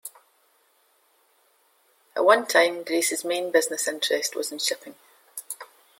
At one time, Grace's main business interest was in shipping.